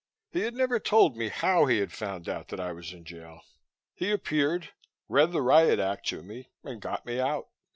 He had never told me how he had found out that I was in jail. He appeared, read the riot act to me and got me out.